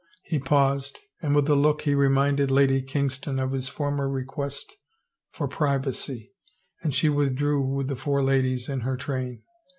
He paused and with a look he reminded Lady Kingston of his former request for privacy and she with drew with the four ladies in her train.